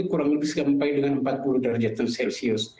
kurang lebih sampai dengan empat puluh derajat celcius